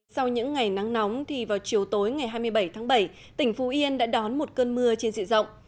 sau những ngày nắng nóng thì vào chiều tối ngày hai mươi bảy tháng bảy tỉnh phú yên đã đón một cơn mưa trên dịa rộng